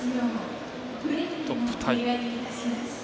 トップタイ。